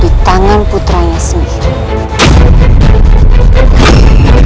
di tangan putranya sendiri